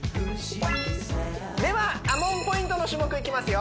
ではＡＭＯＮポイントの種目いきますよ